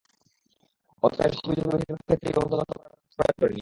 অথচ এসব অভিযোগের বেশির ভাগের ক্ষেত্রেই কমিশন তদন্ত করার ক্ষমতা প্রয়োগ করেনি।